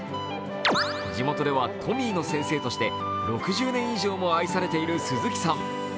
地元ではトミーの先生として６０年以上も愛され続けている鈴木さん。